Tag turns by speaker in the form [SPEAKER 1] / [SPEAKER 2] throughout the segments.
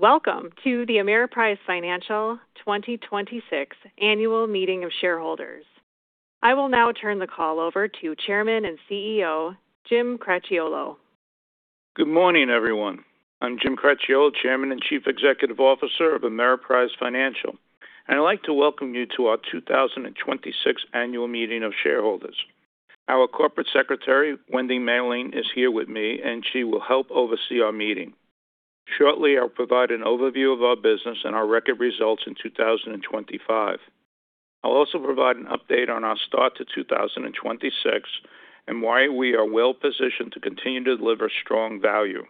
[SPEAKER 1] Welcome to the Ameriprise Financial 2026 Annual Meeting of Shareholders. I will now turn the call over to Chairman and CEO, Jim Cracchiolo.
[SPEAKER 2] Good morning, everyone. I'm Jim Cracchiolo, Chairman and Chief Executive Officer of Ameriprise Financial, and I'd like to welcome you to our 2026 Annual Meeting of Shareholders. Our Corporate Secretary, Wendy Mahling, is here with me, and she will help oversee our meeting. Shortly, I'll provide an overview of our business and our record results in 2025. I'll also provide an update on our start to 2026 and why we are well-positioned to continue to deliver strong value.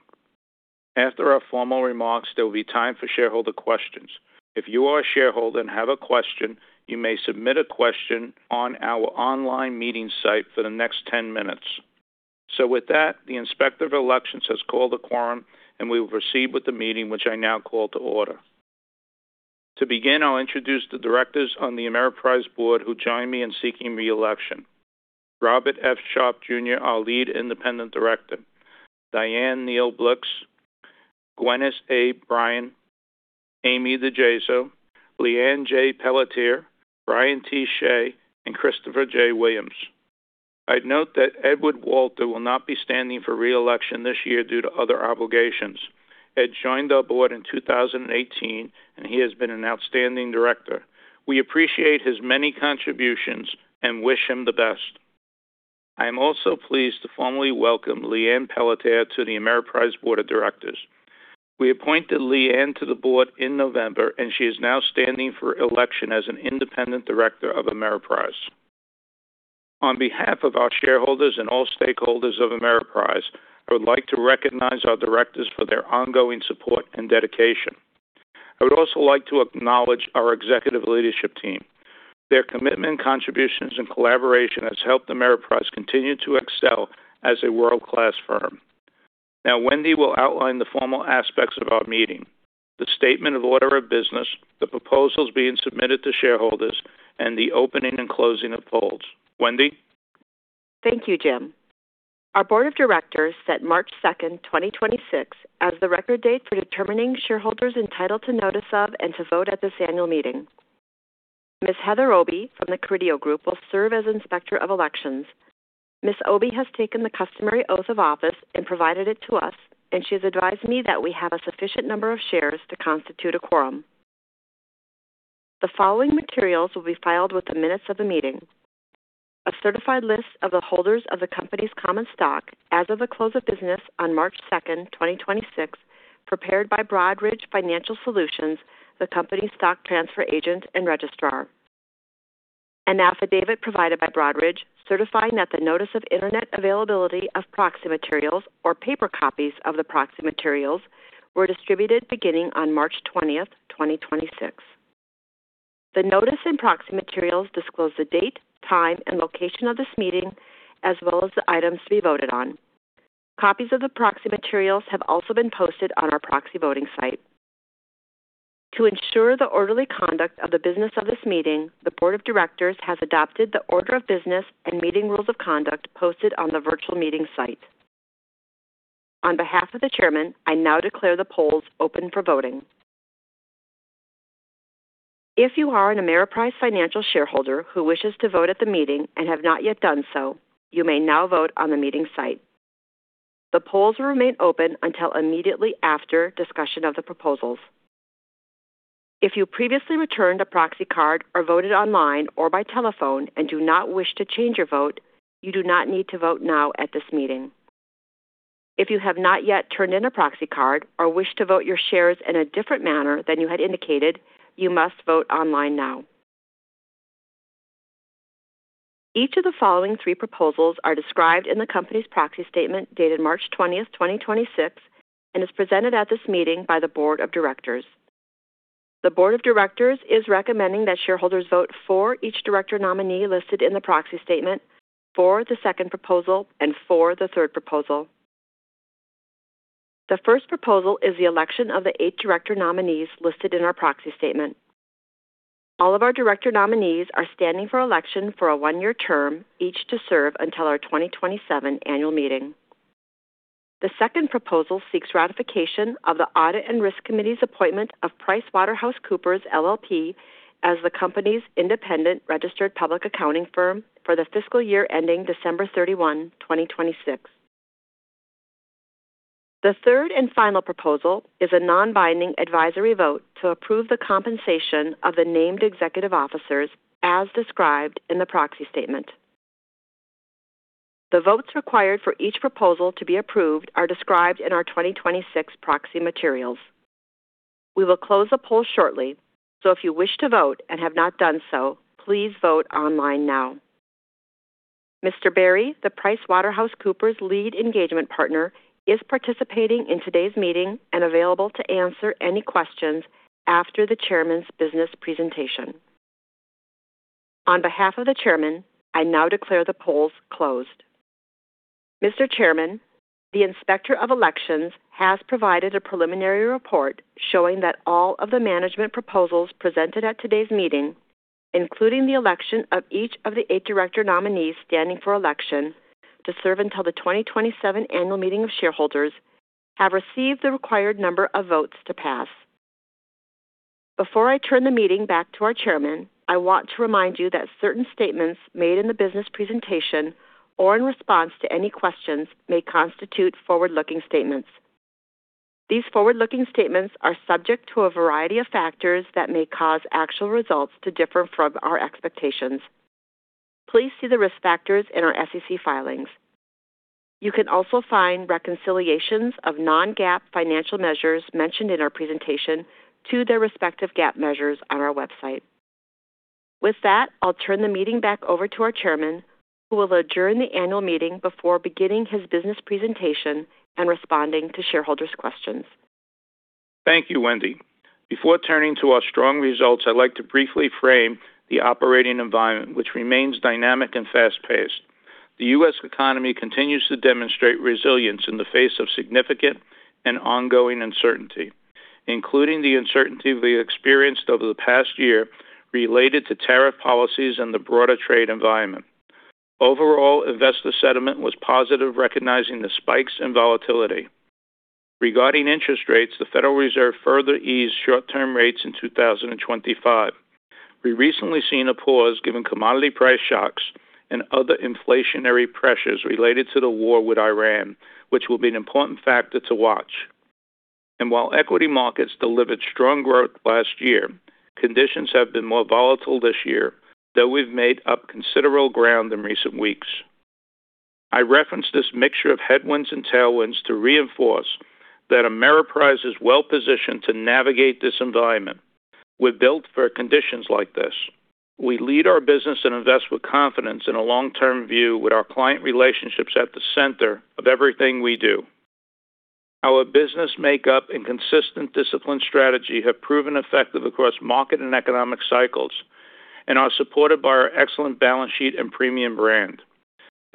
[SPEAKER 2] After our formal remarks, there will be time for shareholder questions. If you are a shareholder and have a question, you may submit a question on our online meeting site for the next 10 minutes. With that, the Inspector of Election has called a quorum, and we will proceed with the meeting, which I now call to order. To begin, I'll introduce the directors on the Ameriprise Board who join me in seeking re-election. Robert F. Sharpe Jr., our Lead Independent Director, Dianne Neal Blixt, Glynis A. Bryan, Amy DiGeso, Liane J. Pelletier, Brian T. Shea, and Christopher J. Williams. I'd note that Edward Walter will not be standing for re-election this year due to other obligations. Ed joined our Board in 2018, and he has been an outstanding director. We appreciate his many contributions and wish him the best. I am also pleased to formally welcome Liane Pelletier to the Ameriprise Board of Directors. We appointed Liane to the Board in November, and she is now standing for election as an Independent Director of Ameriprise. On behalf of our shareholders and all stakeholders of Ameriprise, I would like to recognize our directors for their ongoing support and dedication. I would also like to acknowledge our executive leadership team. Their commitment, contributions, and collaboration has helped Ameriprise continue to excel as a world-class firm. Now, Wendy will outline the formal aspects of our meeting, the statement of order of business, the proposals being submitted to shareholders, and the opening and closing of polls. Wendy?
[SPEAKER 3] Thank you, Jim. Our Board of Directors set March 2nd, 2026, as the record date for determining shareholders entitled to notice of and to vote at this annual meeting. Ms. Heather Obi from The Carideo Group will serve as Inspector of Elections. Ms. Obi has taken the customary oath of office and provided it to us, and she has advised me that we have a sufficient number of shares to constitute a quorum. The following materials will be filed with the minutes of the meeting. A certified list of the holders of the company's common stock as of the close of business on March 2nd, 2026, prepared by Broadridge Financial Solutions, the company's stock transfer agent and registrar. An affidavit provided by Broadridge certifying that the notice of Internet availability of proxy materials or paper copies of the proxy materials were distributed beginning on March 20th, 2026. The notice and proxy materials disclose the date, time, and location of this meeting as well as the items to be voted on. Copies of the proxy materials have also been posted on our proxy voting site. To ensure the orderly conduct of the business of this meeting, the Board of Directors has adopted the order of business and meeting rules of conduct posted on the virtual meeting site. On behalf of the chairman, I now declare the polls open for voting. If you are an Ameriprise Financial shareholder who wishes to vote at the meeting and have not yet done so, you may now vote on the meeting site. The polls will remain open until immediately after discussion of the proposals. If you previously returned a proxy card or voted online or by telephone and do not wish to change your vote, you do not need to vote now at this meeting. If you have not yet turned in a proxy card or wish to vote your shares in a different manner than you had indicated, you must vote online now. Each of the following three proposals are described in the company's proxy statement dated March 20th, 2026, and is presented at this meeting by the Board of Directors. The Board of Directors is recommending that shareholders vote for each director nominee listed in the proxy statement, for the second proposal, and for the third proposal. The first proposal is the election of the eight director nominees listed in our proxy statement. All of our director nominees are standing for election for a one-year term, each to serve until our 2027 annual meeting. The second proposal seeks ratification of the Audit and Risk Committee's appointment of PricewaterhouseCoopers, LLP as the company's independent registered public accounting firm for the fiscal year ending December 31, 2026. The third and final proposal is a non-binding advisory vote to approve the compensation of the named executive officers as described in the proxy statement. The votes required for each proposal to be approved are described in our 2026 proxy materials. We will close the poll shortly, so if you wish to vote and have not done so, please vote online now. Mr. Berry, the PricewaterhouseCoopers Lead Engagement Partner, is participating in today's meeting and available to answer any questions after the chairman's business presentation. On behalf of the Chairman, I now declare the polls closed. Mr. Chairman, the Inspector of Elections has provided a preliminary report showing that all of the management proposals presented at today's meeting, including the election of each of the eight director nominees standing for election to serve until the 2027 Annual Meeting of Shareholders have received the required number of votes to pass. Before I turn the meeting back to our chairman, I want to remind you that certain statements made in the business presentation or in response to any questions may constitute forward-looking statements. These forward-looking statements are subject to a variety of factors that may cause actual results to differ from our expectations. Please see the risk factors in our SEC filings. You can also find reconciliations of non-GAAP financial measures mentioned in our presentation to their respective GAAP measures on our website. With that, I'll turn the meeting back over to our Chairman, who will adjourn the annual meeting before beginning his business presentation and responding to shareholders' questions.
[SPEAKER 2] Thank you, Wendy. Before turning to our strong results, I'd like to briefly frame the operating environment, which remains dynamic and fast-paced. The U.S. economy continues to demonstrate resilience in the face of significant and ongoing uncertainty, including the uncertainty we experienced over the past year related to tariff policies and the broader trade environment. Overall, investor sentiment was positive, recognizing the spikes in volatility. Regarding interest rates, the Federal Reserve further eased short-term rates in 2025. We've recently seen a pause given commodity price shocks and other inflationary pressures related to the war with Iran, which will be an important factor to watch. While equity markets delivered strong growth last year, conditions have been more volatile this year, though we've made up considerable ground in recent weeks. I reference this mixture of headwinds and tailwinds to reinforce that Ameriprise is well-positioned to navigate this environment. We're built for conditions like this. We lead our business and invest with confidence in a long-term view with our client relationships at the center of everything we do. Our business makeup and consistent discipline strategy have proven effective across market and economic cycles and are supported by our excellent balance sheet and premium brand.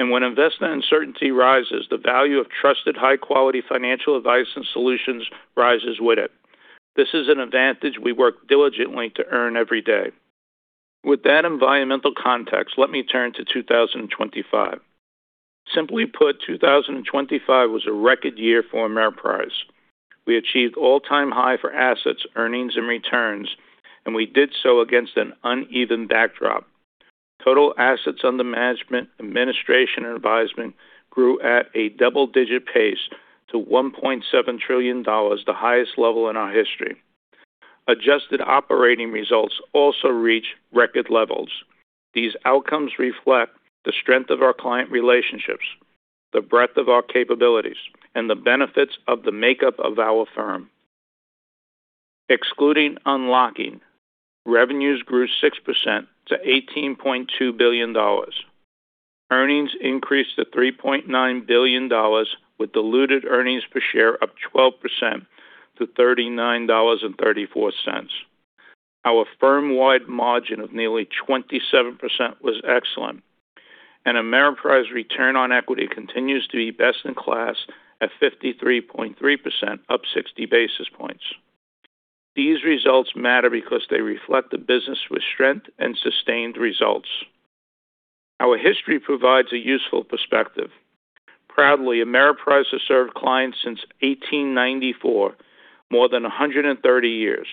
[SPEAKER 2] When investor uncertainty rises, the value of trusted, high-quality financial advice and solutions rises with it. This is an advantage we work diligently to earn every day. With that environmental context, let me turn to 2025. Simply put, 2025 was a record year for Ameriprise. We achieved all-time high for assets, earnings, and returns, and we did so against an uneven backdrop. Total assets under management, administration, and advisement grew at a double-digit pace to $1.7 trillion, the highest level in our history. Adjusted operating results also reached record levels. These outcomes reflect the strength of our client relationships, the breadth of our capabilities, and the benefits of the makeup of our firm. Excluding unlocking, revenues grew 6% to $18.2 billion. Earnings increased to $3.9 billion with diluted earnings per share up 12% to $39.34. Our firm-wide margin of nearly 27% was excellent. Ameriprise return on equity continues to be best in class at 53.3%, up 60 basis points. These results matter because they reflect the business with strength and sustained results. Our history provides a useful perspective. Proudly, Ameriprise has served clients since 1894, more than 130 years.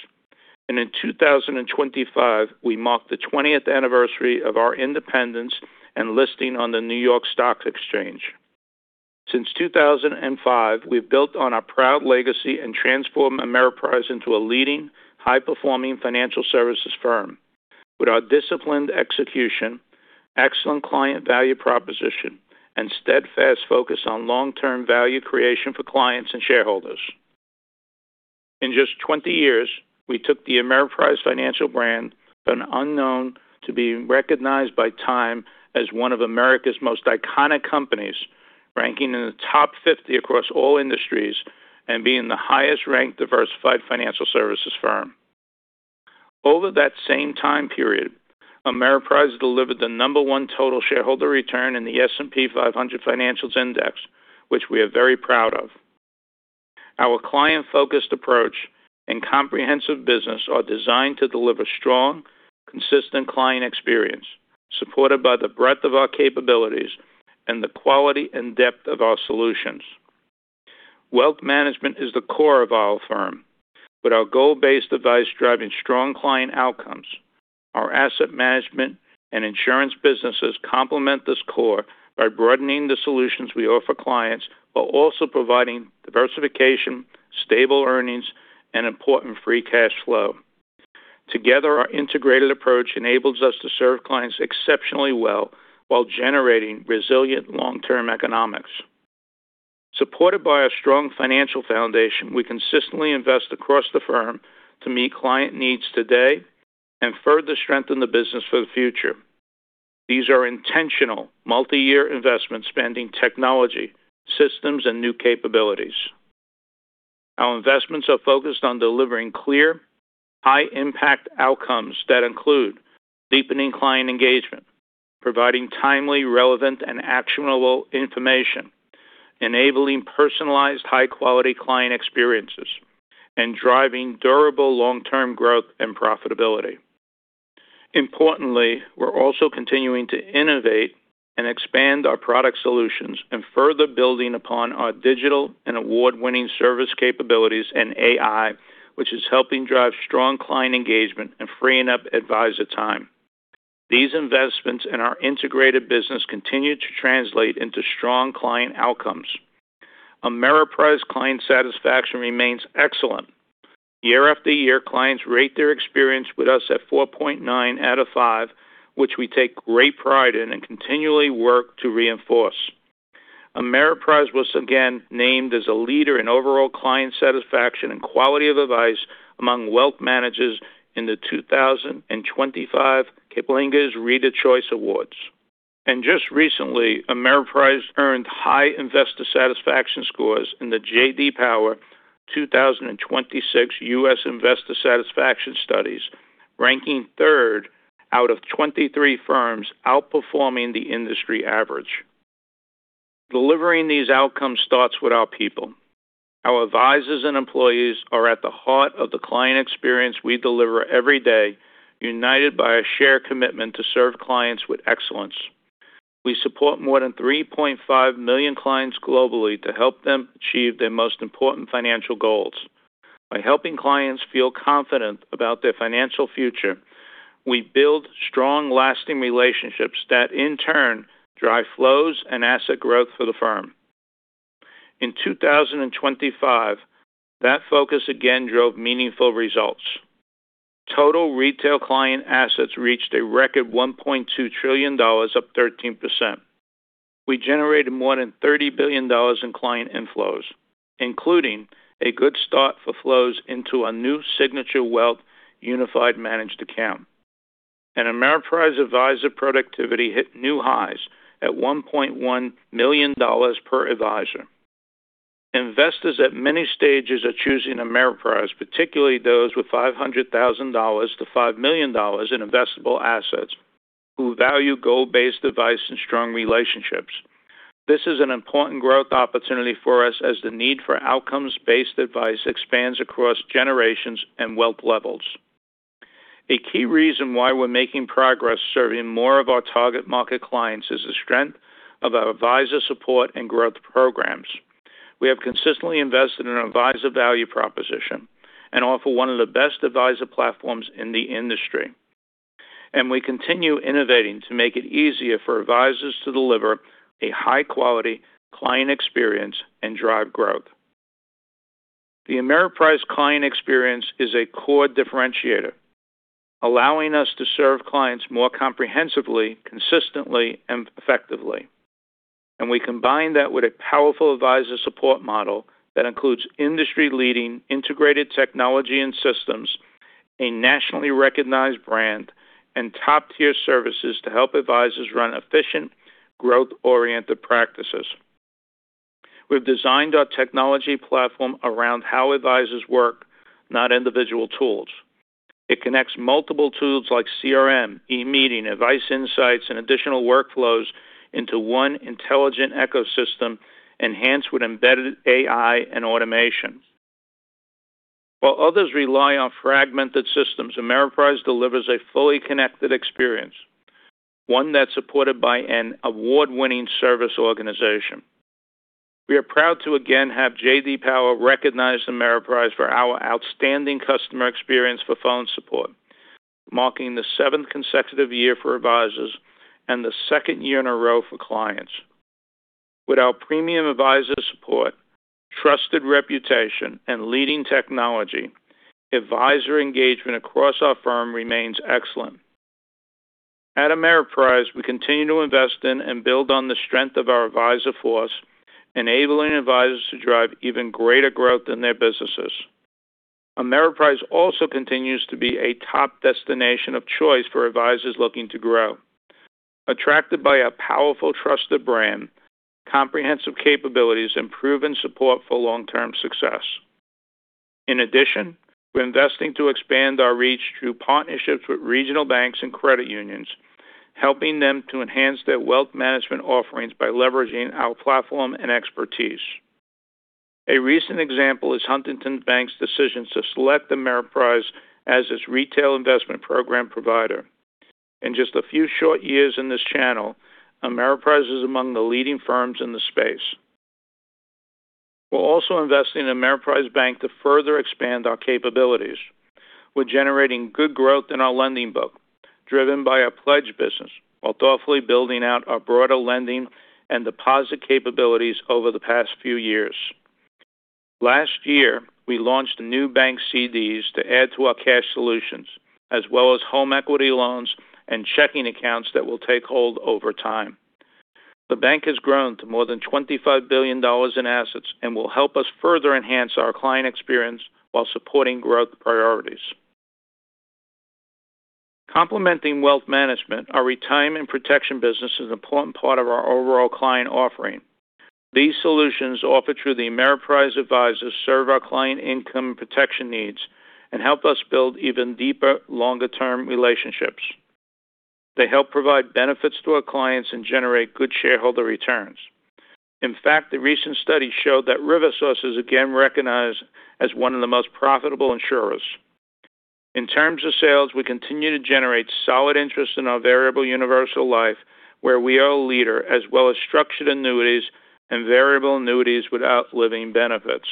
[SPEAKER 2] In 2025, we marked the 20th anniversary of our independence and listing on the New York Stock Exchange. Since 2005, we've built on our proud legacy and transformed Ameriprise into a leading, high-performing financial services firm, with our disciplined execution, excellent client value proposition, and steadfast focus on long-term value creation for clients and shareholders. In just 20 years, we took the Ameriprise Financial brand from unknown to being recognized by Time as one of America's most iconic companies, ranking in the top 50 across all industries and being the highest-ranked diversified financial services firm. Over that same time period, Ameriprise delivered the number one total shareholder return in the S&P 500 Financials index, which we are very proud of. Our client-focused approach and comprehensive business are designed to deliver strong, consistent client experience, supported by the breadth of our capabilities and the quality and depth of our solutions. Wealth management is the core of our firm. With our goal-based advice driving strong client outcomes, our asset management and insurance businesses complement this core by broadening the solutions we offer clients while also providing diversification, stable earnings, and important free cash flow. Together, our integrated approach enables us to serve clients exceptionally well while generating resilient long-term economics. Supported by a strong financial foundation, we consistently invest across the firm to meet client needs today and further strengthen the business for the future. These are intentional multi-year investments spanning technology, systems, and new capabilities. Our investments are focused on delivering clear, high-impact outcomes that include deepening client engagement, providing timely, relevant, and actionable information, enabling personalized high-quality client experiences, and driving durable long-term growth and profitability. We're also continuing to innovate and expand our product solutions and further building upon our digital and award-winning service capabilities in AI, which is helping drive strong client engagement and freeing up advisor time. These investments in our integrated business continue to translate into strong client outcomes. Ameriprise client satisfaction remains excellent. Year after year, clients rate their experience with us at 4.9 out of five, which we take great pride in and continually work to reinforce. Ameriprise was again named as a leader in overall client satisfaction and quality of advice among wealth managers in the 2025 Kiplinger Choice Awards. Just recently, Ameriprise earned high investor satisfaction scores in the J.D. Power 2026 U.S. Investor Satisfaction Studies, ranking third out of 23 firms, outperforming the industry average. Delivering these outcomes starts with our people. Our advisors and employees are at the heart of the client experience we deliver every day, united by a shared commitment to serve clients with excellence. We support more than 3.5 million clients globally to help them achieve their most important financial goals. By helping clients feel confident about their financial future, we build strong, lasting relationships that in turn drive flows and asset growth for the firm. In 2025, that focus again drove meaningful results. Total retail client assets reached a record $1.2 trillion, up 13%. We generated more than $30 billion in client inflows, including a good start for flows into our new Signature Wealth unified managed account. Ameriprise advisor productivity hit new highs at $1.1 million per advisor. Investors at many stages are choosing Ameriprise, particularly those with $500,000-$5 million in investable assets who value goal-based advice and strong relationships. This is an important growth opportunity for us as the need for outcomes-based advice expands across generations and wealth levels. A key reason why we're making progress serving more of our target market clients is the strength of our advisor support and growth programs. We have consistently invested in our advisor value proposition and offer one of the best advisor platforms in the industry. We continue innovating to make it easier for advisors to deliver a high quality client experience and drive growth. The Ameriprise client experience is a core differentiator, allowing us to serve clients more comprehensively, consistently, and effectively. We combine that with a powerful advisor support model that includes industry leading integrated technology and systems, a nationally recognized brand, and top-tier services to help advisors run efficient, growth-oriented practices. We've designed our technology platform around how advisors work, not individual tools. It connects multiple tools like CRM, eMeeting, Advice Insights, and additional workflows into one intelligent ecosystem enhanced with embedded AI and automation. While others rely on fragmented systems, Ameriprise delivers a fully connected experience, one that's supported by an award-winning service organization. We are proud to again have J.D. Power recognize Ameriprise for our outstanding customer experience for phone support, marking the seventh consecutive year for advisors and the second year in a row for clients. With our premium advisor support, trusted reputation, and leading technology, advisor engagement across our firm remains excellent. At Ameriprise, we continue to invest in and build on the strength of our advisor force, enabling advisors to drive even greater growth in their businesses. Ameriprise also continues to be a top destination of choice for advisors looking to grow, attracted by a powerful trusted brand, comprehensive capabilities, and proven support for long-term success. In addition, we're investing to expand our reach through partnerships with regional banks and credit unions, helping them to enhance their wealth management offerings by leveraging our platform and expertise. A recent example is Huntington Bank's decision to select Ameriprise as its retail investment program provider. In just a few short years in this channel, Ameriprise is among the leading firms in the space. We're also investing in Ameriprise Bank to further expand our capabilities. We're generating good growth in our lending book, driven by our pledge business, while thoughtfully building out our broader lending and deposit capabilities over the past few years. Last year, we launched new bank CDs to add to our cash solutions, as well as home equity loans and checking accounts that will take hold over time. The bank has grown to more than $25 billion in assets and will help us further enhance our client experience while supporting growth priorities. Complementing wealth management, our retirement protection business is an important part of our overall client offering. These solutions offered through the Ameriprise advisors serve our client income protection needs and help us build even deeper longer-term relationships. They help provide benefits to our clients and generate good shareholder returns. In fact, the recent study showed that RiverSource is again recognized as one of the most profitable insurers. In terms of sales, we continue to generate solid interest in our variable universal life, where we are a leader, as well as structured annuities and variable annuities without living benefits.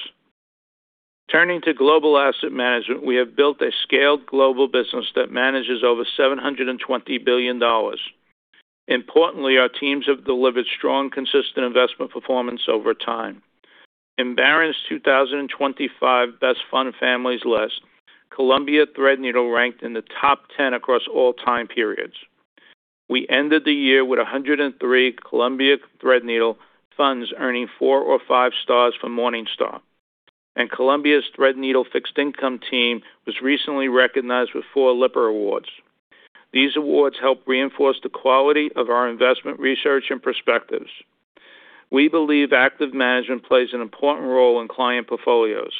[SPEAKER 2] Turning to global asset management, we have built a scaled global business that manages over $720 billion. Importantly, our teams have delivered strong, consistent investment performance over time. In Barron's 2025 Best Fund Families list, Columbia Threadneedle ranked in the top 10 across all time periods. We ended the year with 103 Columbia Threadneedle funds earning four or five stars from Morningstar. Columbia's Threadneedle fixed income team was recently recognized with four Lipper awards. These awards help reinforce the quality of our investment research and perspectives. We believe active management plays an important role in client portfolios,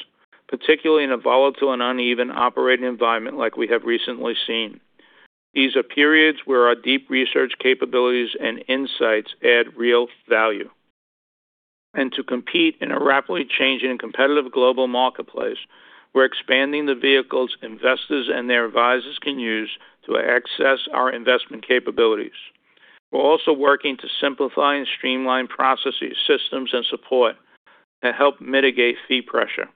[SPEAKER 2] particularly in a volatile and uneven operating environment like we have recently seen. These are periods where our deep research capabilities and insights add real value. To compete in a rapidly changing and competitive global marketplace, we're expanding the vehicles investors and their advisors can use to access our investment capabilities. We're also working to simplify and streamline processes, systems, and support to help mitigate fee pressure.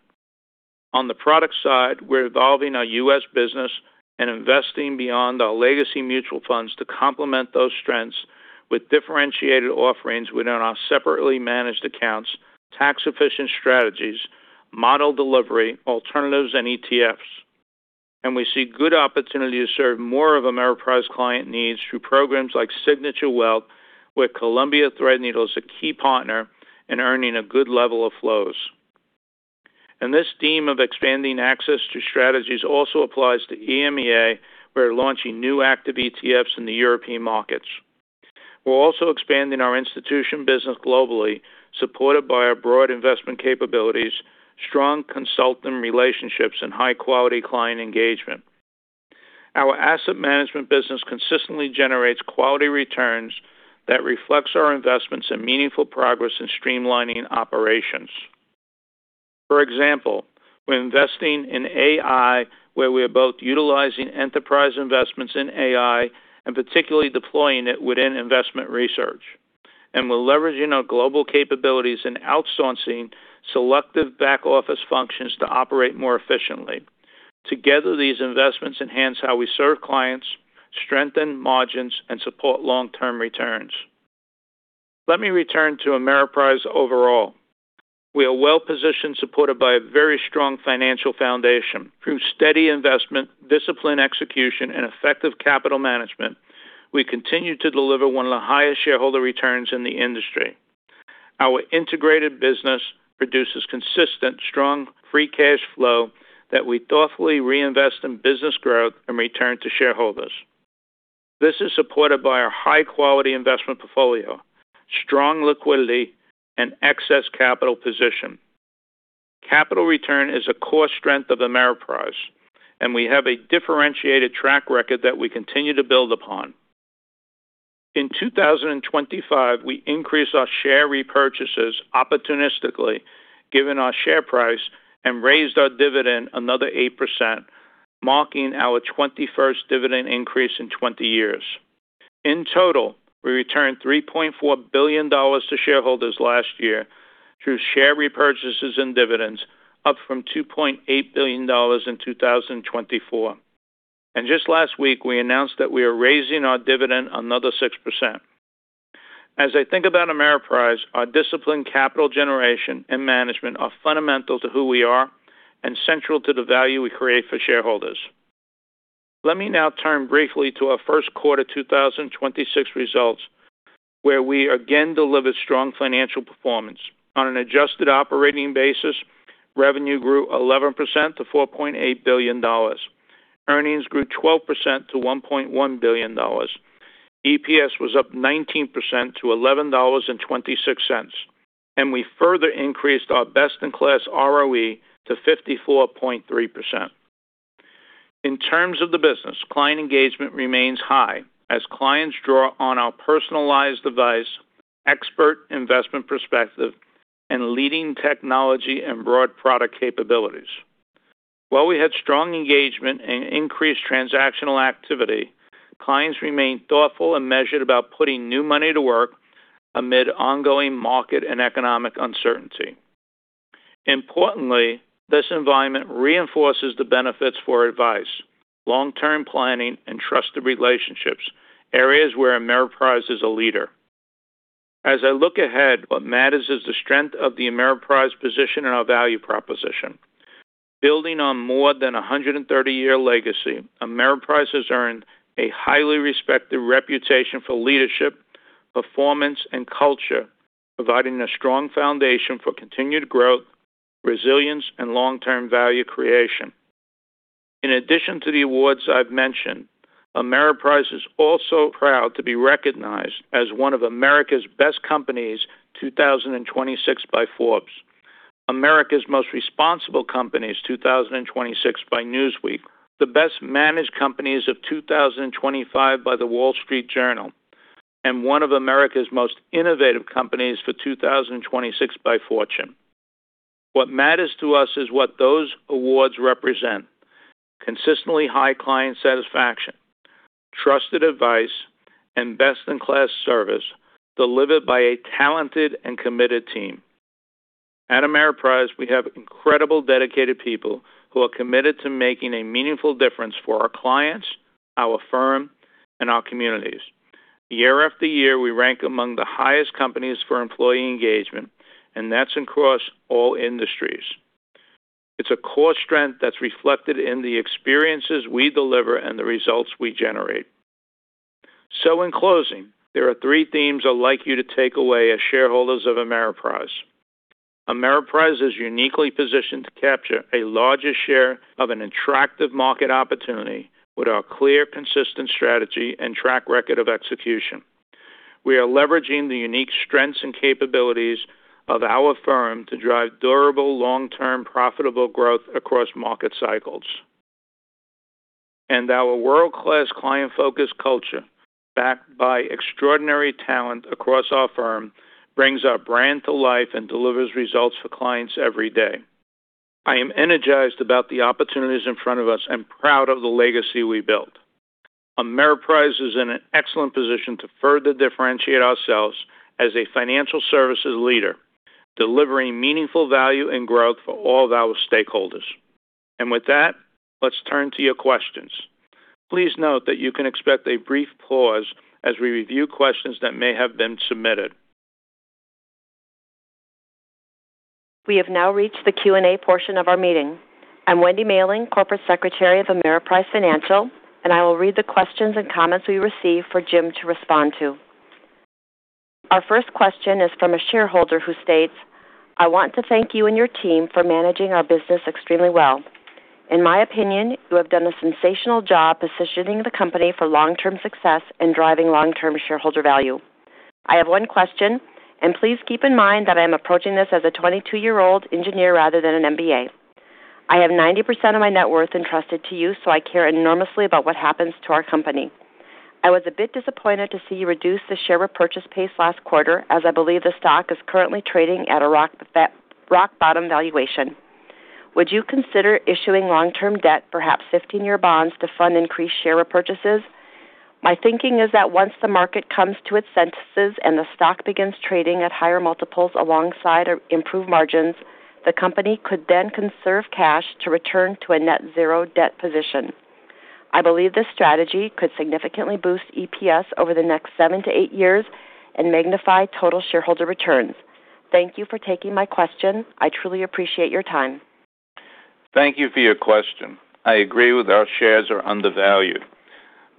[SPEAKER 2] On the product side, we're evolving our U.S. business and investing beyond our legacy mutual funds to complement those strengths with differentiated offerings within our separately managed accounts, tax-efficient strategies, model delivery, alternatives, and ETFs. We see good opportunity to serve more of Ameriprise client needs through programs like Signature Wealth, where Columbia Threadneedle is a key partner in earning a good level of flows. This theme of expanding access to strategies also applies to EMEA. We're launching new active ETFs in the European markets. We're also expanding our institution business globally, supported by our broad investment capabilities, strong consultant relationships, and high-quality client engagement. Our asset management business consistently generates quality returns that reflects our investments and meaningful progress in streamlining operations. For example, we're investing in AI, where we are both utilizing enterprise investments in AI and particularly deploying it within investment research and we're leveraging our global capabilities and outsourcing selective back-office functions to operate more efficiently. Together, these investments enhance how we serve clients, strengthen margins, and support long-term returns. Let me return to Ameriprise overall. We are well-positioned, supported by a very strong financial foundation. Through steady investment, disciplined execution, and effective capital management, we continue to deliver one of the highest shareholder returns in the industry. Our integrated business produces consistent, strong free cash flow that we thoughtfully reinvest in business growth and return to shareholders. This is supported by our high-quality investment portfolio, strong liquidity, and excess capital position. Capital return is a core strength of Ameriprise, and we have a differentiated track record that we continue to build upon. In 2025, we increased our share repurchases opportunistically, given our share price, and raised our dividend another 8%, marking our 21st dividend increase in 20 years. In total, we returned $3.4 billion to shareholders last year through share repurchases and dividends, up from $2.8 billion in 2024. Just last week, we announced that we are raising our dividend another 6%. As I think about Ameriprise, our disciplined capital generation and management are fundamental to who we are and central to the value we create for shareholders. Let me now turn briefly to our first quarter 2026 results, where we again delivered strong financial performance. On an adjusted operating basis, revenue grew 11% to $4.8 billion. Earnings grew 12% to $1.1 billion. EPS was up 19% to $11.26. We further increased our best-in-class ROE to 54.3%. In terms of the business, client engagement remains high as clients draw on our personalized advice, expert investment perspective, and leading technology and broad product capabilities. While we had strong engagement and increased transactional activity, clients remained thoughtful and measured about putting new money to work amid ongoing market and economic uncertainty. Importantly, this environment reinforces the benefits for advice, long-term planning, and trusted relationships, areas where Ameriprise is a leader. As I look ahead, what matters is the strength of the Ameriprise position and our value proposition. Building on more than a 130-year legacy, Ameriprise has earned a highly respected reputation for leadership, performance, and culture, providing a strong foundation for continued growth, resilience, and long-term value creation. In addition to the awards I've mentioned, Ameriprise is also proud to be recognized as one of America's Best Companies 2026 by Forbes, America's Most Responsible Companies 2026 by Newsweek, the Best Managed Companies of 2025 by The Wall Street Journal, and one of America's Most Innovative Companies for 2026 by Fortune. What matters to us is what those awards represent: consistently high client satisfaction, trusted advice, and best-in-class service delivered by a talented and committed team. At Ameriprise, we have incredible dedicated people who are committed to making a meaningful difference for our clients, our firm, and our communities. Year after year, we rank among the highest companies for employee engagement, that's across all industries. It's a core strength that's reflected in the experiences we deliver and the results we generate. In closing, there are three themes I'd like you to take away as shareholders of Ameriprise. Ameriprise is uniquely positioned to capture a larger share of an attractive market opportunity with our clear, consistent strategy and track record of execution. We are leveraging the unique strengths and capabilities of our firm to drive durable, long-term, profitable growth across market cycles. Our world-class client-focused culture, backed by extraordinary talent across our firm, brings our brand to life and delivers results for clients every day. I am energized about the opportunities in front of us and proud of the legacy we built. Ameriprise is in an excellent position to further differentiate ourselves as a financial services leader, delivering meaningful value and growth for all of our stakeholders. With that, let's turn to your questions. Please note that you can expect a brief pause as we review questions that may have been submitted.
[SPEAKER 3] We have now reached the Q&A portion of our meeting. I'm Wendy Mahling, Corporate Secretary of Ameriprise Financial, and I will read the questions and comments we received for Jim to respond to. Our first question is from a shareholder who states, "I want to thank you and your team for managing our business extremely well. In my opinion, you have done a sensational job positioning the company for long-term success and driving long-term shareholder value. I have one question, and please keep in mind that I am approaching this as a 22-year-old engineer rather than an MBA. I have 90% of my net worth entrusted to you, so I care enormously about what happens to our company. I was a bit disappointed to see you reduce the share repurchase pace last quarter, as I believe the stock is currently trading at a rock-bottom valuation. Would you consider issuing long-term debt, perhaps 15-year bonds, to fund increased share repurchases? My thinking is that once the market comes to its senses and the stock begins trading at higher multiples alongside improved margins, the company could then conserve cash to return to a net zero debt position. I believe this strategy could significantly boost EPS over the next seven to eight years and magnify total shareholder returns." Thank you for taking my question. I truly appreciate your time.
[SPEAKER 2] Thank you for your question. I agree with our shares are undervalued.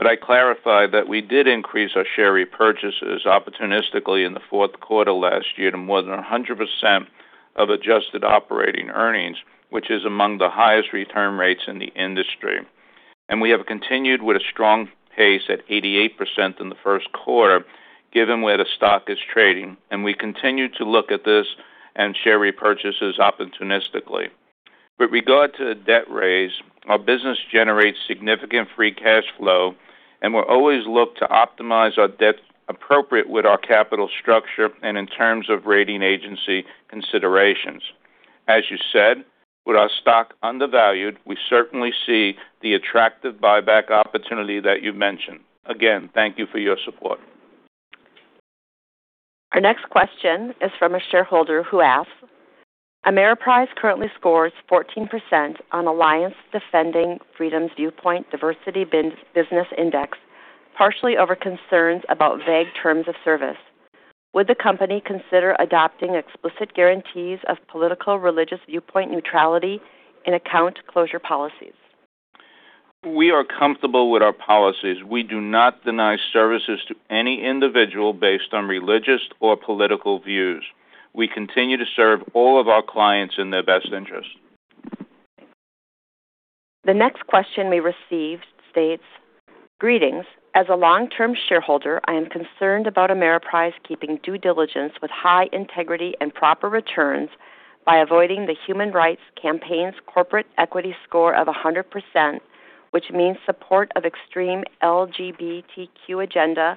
[SPEAKER 2] I clarify that we did increase our share repurchases opportunistically in the fourth quarter last year to more than 100% of adjusted operating earnings, which is among the highest return rates in the industry. We have continued with a strong pace at 88% in the first quarter, given where the stock is trading. We continue to look at this and share repurchases opportunistically. With regard to the debt raise, our business generates significant free cash flow and we'll always look to optimize our debt appropriate with our capital structure and in terms of rating agency considerations. As you said, with our stock undervalued, we certainly see the attractive buyback opportunity that you mentioned. Again, thank you for your support.
[SPEAKER 3] Our next question is from a shareholder who asks, "Ameriprise currently scores 14% on Alliance Defending Freedom's Viewpoint Diversity Business Index, partially over concerns about vague terms of service. Would the company consider adopting explicit guarantees of political religious viewpoint neutrality in account closure policies?"
[SPEAKER 2] We are comfortable with our policies. We do not deny services to any individual based on religious or political views. We continue to serve all of our clients in their best interest.
[SPEAKER 3] The next question we received states, "Greetings. As a long-term shareholder, I am concerned about Ameriprise keeping due diligence with high integrity and proper returns by avoiding the Human Rights Campaign's corporate equity score of 100%, which means support of extreme LGBTQ agenda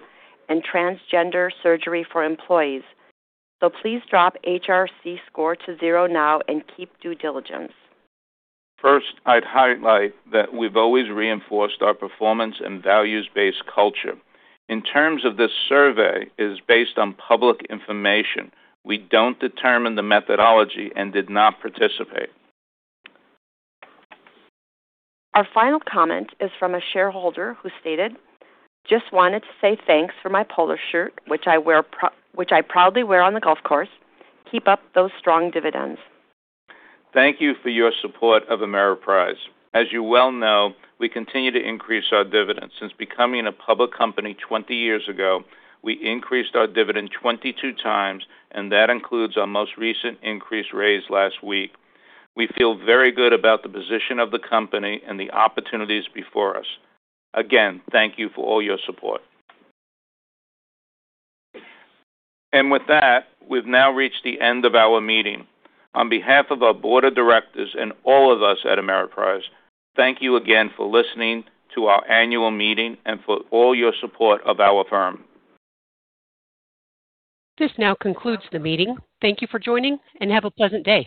[SPEAKER 3] and transgender surgery for employees. Please drop HRC score to zero now and keep due diligence.
[SPEAKER 2] First, I'd highlight that we've always reinforced our performance and values-based culture. In terms of this survey, it is based on public information. We don't determine the methodology and did not participate.
[SPEAKER 3] Our final comment is from a shareholder who stated, "Just wanted to say thanks for my polo shirt, which I proudly wear on the golf course. Keep up those strong dividends."
[SPEAKER 2] Thank you for your support of Ameriprise. As you well know, we continue to increase our dividends. Since becoming a public company 20 years ago, we increased our dividend 22 times, and that includes our most recent increase raised last week. We feel very good about the position of the company and the opportunities before us. Again, thank you for all your support. With that, we've now reached the end of our meeting. On behalf of our Board of Directors and all of us at Ameriprise, thank you again for listening to our annual meeting and for all your support of our firm.
[SPEAKER 1] This now concludes the meeting. Thank you for joining. Have a pleasant day.